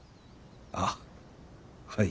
あっはい。